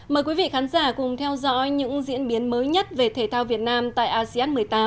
mời quý vị khán giả cùng theo dõi những diễn biến mới nhất về thể thao việt nam tại asean một mươi tám